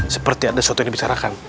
seperti ada sesuatu yang dibicarakan